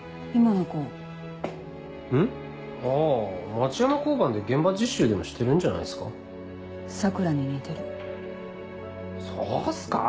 町山交番で現場実習でもしてるんじゃない桜に似てるそうっすか？